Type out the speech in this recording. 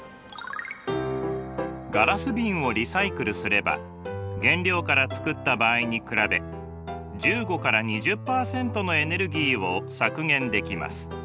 ガラス瓶をリサイクルすれば原料から作った場合に比べ１５から２０％のエネルギーを削減できます。